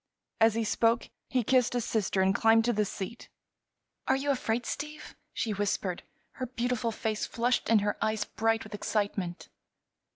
As he spoke he kissed his sister and climbed to the seat. "Are you afraid, Steve?" she whispered, her beautiful face flushed and her eyes bright with excitement.